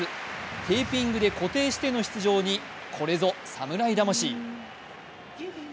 テーピングで固定しての出場に、これぞ侍魂。